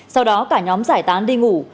sau đó cả nhóm giải tán đi ngủ